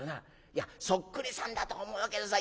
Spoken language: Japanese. いやそっくりさんだと思うけどさ